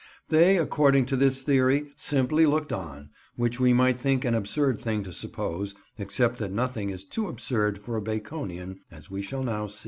They, according to this theory, simply looked on; which we might think an absurd thing to suppose, except that nothing is too absurd for a Baconian, as we shall now see.